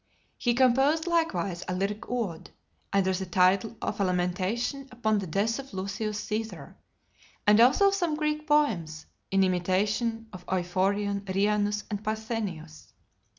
He composed likewise a lyric ode, under the title of "A Lamentation upon the death of Lucius Caesar;" and also some Greek poems, in imitation of Euphorion, Rhianus, and Parthenius .